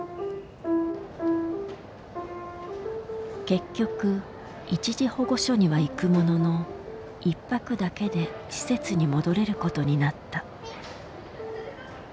結局一時保護所には行くものの１泊だけで施設に戻れることになった。